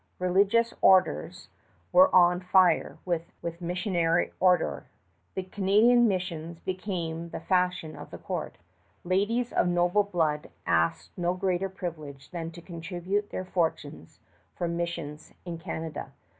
Religious orders were on fire with missionary ardor. The Canadian missions became the fashion of the court. Ladies of noble blood asked no greater privilege than to contribute their fortunes for missions in Canada.